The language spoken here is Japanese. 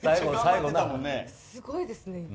すごいですね。